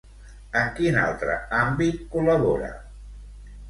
En quin altre àmbit col·labora?